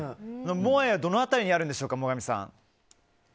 モアイはどの辺りにあるんでしょうか、最上さん。